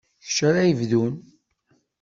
D kečč ara yebdun.